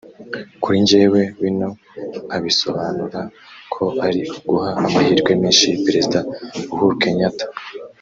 kuri njyewe bino nkabisobanura ko ari uguha amahirwe menshi Perezida Uhuru Kenyatta